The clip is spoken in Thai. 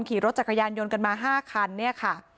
ขี่รถจักรยานยนต์กันมา๕คันเนี่ยค่ะ